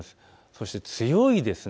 そして強いです。